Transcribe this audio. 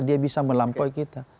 dia bisa melampaui kita